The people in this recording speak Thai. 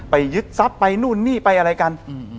ยึดทรัพย์ไปนู่นนี่ไปอะไรกัน